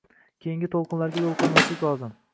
Keyingi toʻlqinlarga yoʻl qoʻymaslik lozim